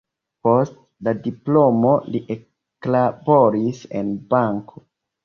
Post la diplomo li eklaboris en banko.